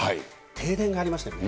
停電がありましたよね。